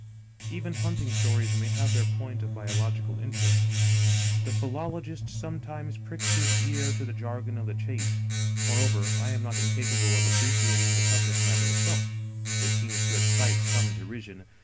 Even hunting stories may have their point of biological interest ; the philologist sometimes pricks his ear to the jargon of the chase ; moreover, I am not incapable of appreciating the subject matter itself. This seems to excite some derision.